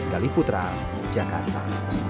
dali putra jakarta